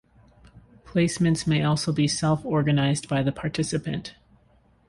Placements may also be self-organised by the participant.